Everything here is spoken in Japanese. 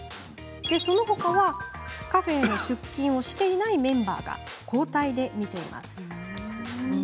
そのほかはカフェへの出勤がないメンバーが交代で面倒を見ています。